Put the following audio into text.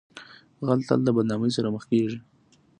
غل تل د بدنامۍ سره مخ کیږي